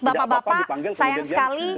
bapak bapak sayang sekali